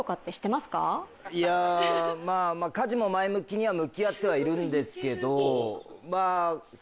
いやまぁ家事も前向きには向き合ってはいるんですけど。